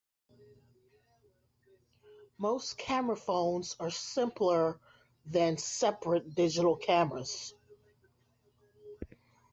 Most camera phones are simpler than separate digital cameras.